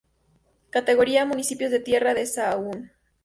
Categoría:Municipios de Tierra de Sahagún